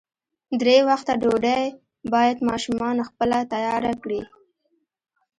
درې وخته ډوډۍ باید ماشومان خپله تیاره کړي.